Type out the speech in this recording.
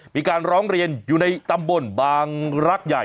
มีการร้องเรียนอยู่ในตำบลบางรักใหญ่